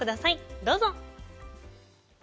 どうぞ。